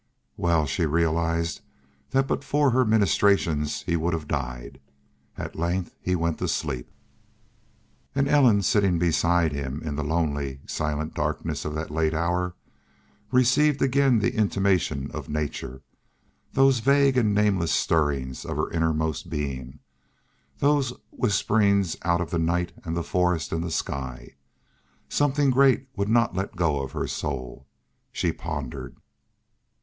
Well she realized that but for her ministrations he would have died. At length he went to sleep. And Ellen, sitting beside him in the lonely, silent darkness of that late hour, received again the intimation of nature, those vague and nameless stirrings of her innermost being, those whisperings out of the night and the forest and the sky. Something great would not let go of her soul. She pondered.